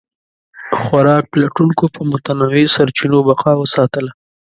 خوراک پلټونکو په متنوع سرچینو بقا وساتله.